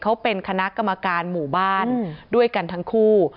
เขาเป็นคณะกรรมการหมู่บ้านด้วยกันทั้งคู่